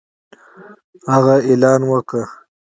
هغه اعلان وکړ